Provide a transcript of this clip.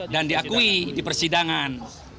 dan diakui di persidangan